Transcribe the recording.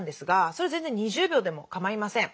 それ全然２０秒でも構いません。